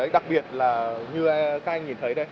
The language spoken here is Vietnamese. đặc biệt là như các anh nhìn thấy đây